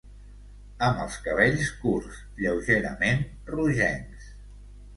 Amb els cabells curts, lleugerament rogencs.